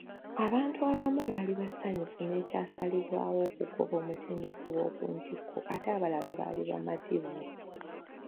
Abantu abamu baali basanyufu n'ekyasalibwawo okugoba omutendesi owokuntikko ate abalala baali bamativu.